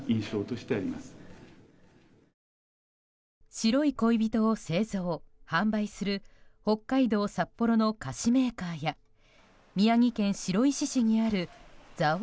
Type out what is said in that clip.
白い恋人を製造・販売する北海道札幌の菓子メーカーや宮城県白石市にある蔵王